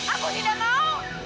aku tidak mau